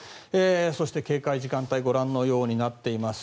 そして警戒時間帯ご覧のようになっています。